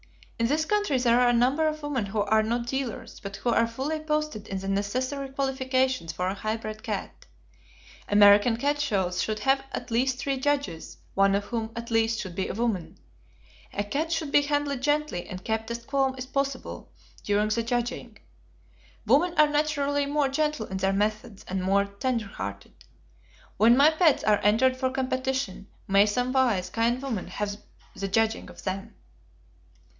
In this country there are a number of women who are not dealers, but who are fully posted in the necessary qualifications for a high bred cat. American cat shows should have at least three judges, one of whom, at least, should be a woman. A cat should be handled gently and kept as calm as possible during the judging. Women are naturally more gentle in their methods, and more tenderhearted. When my pets are entered for competition, may some wise, kind woman have the judging of them!